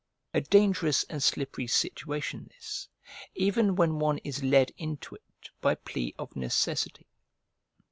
A dangerous and slippery situation this, even when one is led into it by plea of necessity!